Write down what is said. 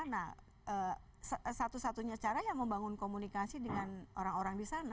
nah satu satunya cara ya membangun komunikasi dengan orang orang di sana